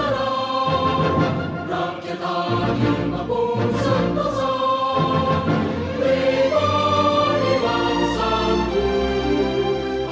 rakyat agama pun sepuluh puluh